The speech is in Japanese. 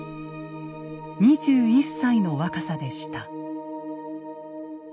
２１歳の若さでした。